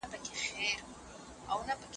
که زده کوونکي هڅه وکړي، پرمختګ نه درېږي.